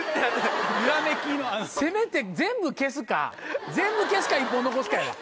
せめて全部消すか全部消すか１本残しかやわ。